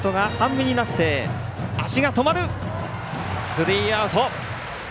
スリーアウト。